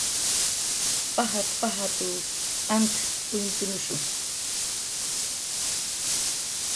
"Pajat"" pajat""w t'ant kuytnushu"